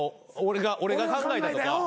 俺が考えたとか。